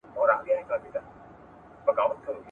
نه پوهیږو چي په کوم ځای کي خوږمن یو ,